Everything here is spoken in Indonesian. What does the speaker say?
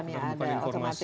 kan ada penerbukan informasi